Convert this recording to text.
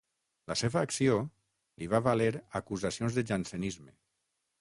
La seva acció li va valer acusacions de jansenisme.